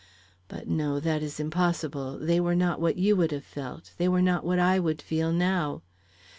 But no, that is impossible. They were not what you would have felt, they were not what I would feel now.